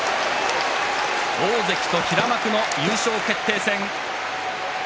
大関と平幕の優勝決定戦。